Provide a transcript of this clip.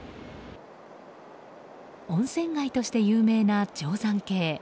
温泉街として有名な定山渓。